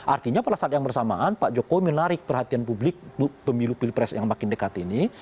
artinya pada saat yang bersamaan pak jokowi menarik perhatian publik pemilu pilpres yang makin dekat ini